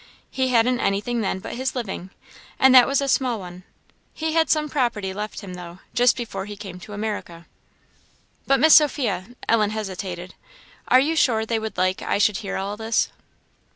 He hadn't anything then but his living, and that was a small one; he had some property left him, though, just before he came to America." "But, Miss Sophia," Ellen hesitated, "are you sure they would like I should hear all this?"